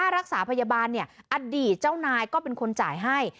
รักษาพยาบาลอดีตเจ้านายก็เป็นคนจ่ายให้